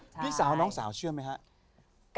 พี่สาวน้องสาวเชื่อไหมครับ